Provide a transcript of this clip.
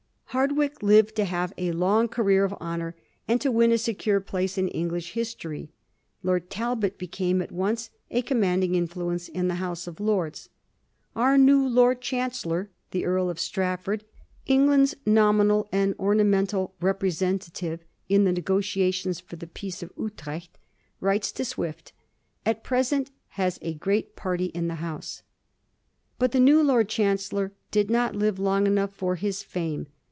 Hardwicke lived to have a long career of honor, and to win a secure place in English history. Lord Talbot became at once a commanding influence in the House of Lords. " Our new Lord Chancellor," the Earl of Strafford, England's nominal and ornamental representative in the negotiation for the peace of Utrecht, writes to Swift, '^at present has a great party in the House." But the new Lord Chancellor did not live long enough for his fame.